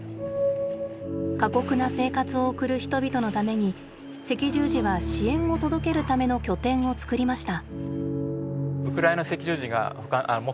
過酷な生活を送る人々のために赤十字は支援を届けるための拠点をつくりました。